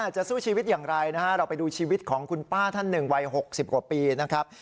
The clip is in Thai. จะสู้ชีวิตอย่างไรนะฮะเราไปดูชีวิตของคุณป้าท่านหนึ่งวัย๖๐กว่าปีนะครับ